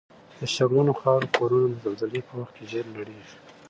د شګلنو خاورو کورنه د زلزلې په وخت زر نړیږي